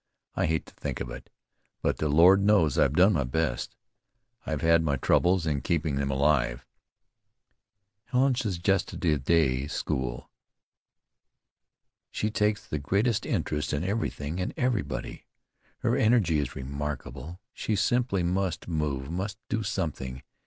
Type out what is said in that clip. I hate to think of it; but the Lord knows I've done my best. I've had my troubles in keeping them alive." "Helen suggested the day school. She takes the greatest interest in everything and everybody. Her energy is remarkable. She simply must move, must do something.